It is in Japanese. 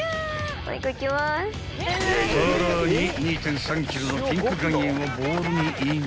［さらに２．３ｋｇのピンク岩塩をボウルにイン］